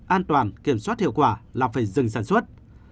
an toàn kiểm soát hiệu quả là phải dừng sản xuất